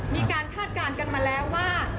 คาดการณ์กันมาแล้วว่า